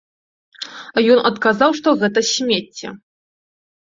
Ён адказаў, што гэта смецце.